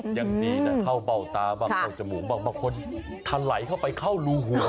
อย่างนี้นะเข้าเบ้าตาบางเข้าจมูกบางคนทาไหลเข้าไปเข้ารูหูเลย